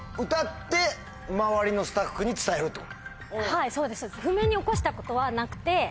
はいそうです。